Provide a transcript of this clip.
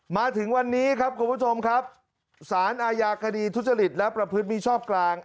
มาถึงวันนี้ครับคุณผู้ชมครับสารอาญาคดีทุจริตและประพฤติมิชอบกลาง